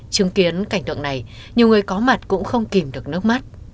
chứng kiến cảnh tượng này nhiều người có mặt cũng không kìm được nước mắt